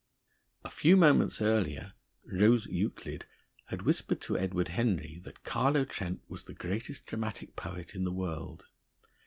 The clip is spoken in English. A few moments earlier Rose Euclid had whispered to Edward Henry that Carlo Trent was the greatest dramatic poet in the world.